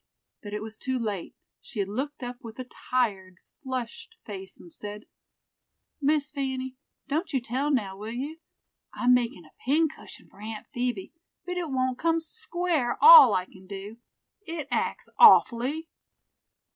that it was too late, she had looked up with a tired, flushed face and said: "Miss Fanny, don't you tell now! will you? I'm makin' a pin cushion for Aunt Phoebe, but it won't come square, all I can do. It acts awfully."